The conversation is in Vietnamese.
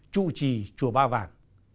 chủ trì chùa ba vàng